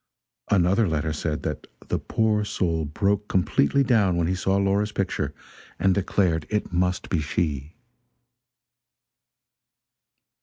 Another letter said that "the poor soul broke completely down when he saw Laura's picture, and declared it must be she."